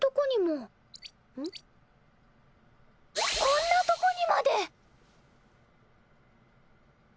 こんなとこにまで！